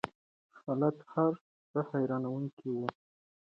هلته هر څه حیرانوونکی وو.